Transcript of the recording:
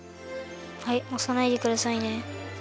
はいおさないでくださいね。